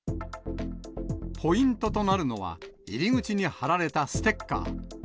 ポイントとなるのは、入り口に貼られたステッカー。